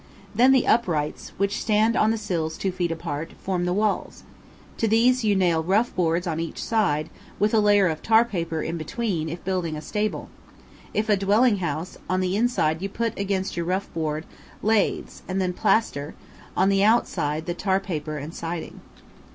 Then the uprights, which stand on the sills two feet apart, form the walls. To these you nail rough boards on each side, with a layer of tar paper in between if building a stable; if a dwelling house, on the inside you put against your rough board, laths, and then plaster, on the outside the tar paper and siding.